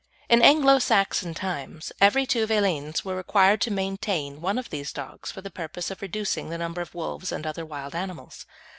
In Anglo Saxon times every two villeins were required to maintain one of these dogs for the purpose of reducing the number of wolves and other wild animals.